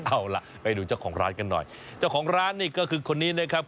เอาล่ะไปดูเจ้าของร้านกันหน่อยเจ้าของร้านนี่ก็คือคนนี้นะครับ